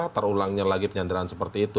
terulangnya lagi penyanderaan seperti itu